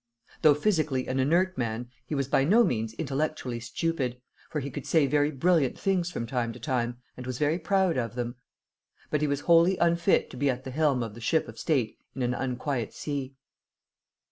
Though physically an inert man, he was by no means intellectually stupid, for he could say very brilliant things from time to time, and was very proud of them; but he was wholly unfit to be at the helm of the ship of state in an unquiet sea.